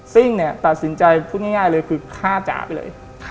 ซิ่งเนี่ยตัดสินใจพูดง่ายเลยคือฆ่าจ๋าไปเลย